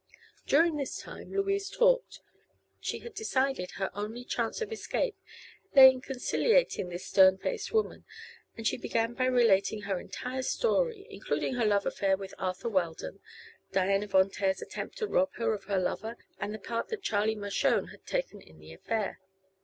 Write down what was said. During this time Louise talked. She had decided her only chance of escape lay in conciliating this stern faced woman, and she began by relating her entire history, including her love affair with Arthur Weldon, Diana Von Taer's attempt to rob her of her lover, and the part that Charlie Mershone had taken in the affair.